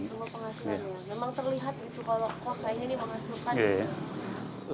untuk tambah penghasilan ya memang terlihat gitu kalau kawah kain ini menghasilkan gitu